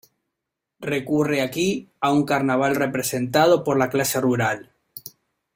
Recurre aquí a un carnaval representado por la clase rural.